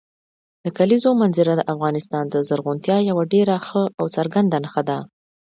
د کلیزو منظره د افغانستان د زرغونتیا یوه ډېره ښه او څرګنده نښه ده.